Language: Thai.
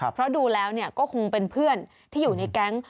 เพราะดูแล้วก็คงเป็นเพื่อนที่อยู่ในแก๊ง